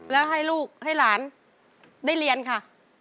แล้วให้ลูกให้หลานได้เรียนค่ะ